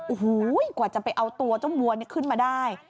โอ้โหกว่าจะไปเอาตัวเจ้าวัวขึ้นมาได้